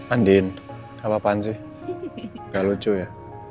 andin apa apaan sih gak lucu ya